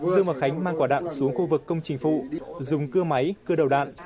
dương và khánh mang quả đạn xuống khu vực công trình phụ dùng cưa máy cưa đầu đạn